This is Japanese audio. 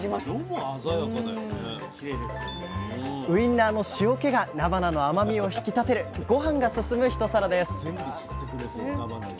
ウインナーの塩気がなばなの甘みを引き立てるごはんが進む一皿です